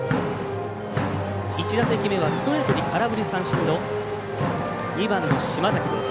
１打席目はストレートに空振り三振の２番の島崎です。